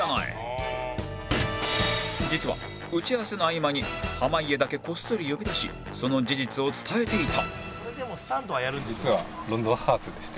実は打ち合わせの合間に濱家だけこっそり呼び出しその事実を伝えていた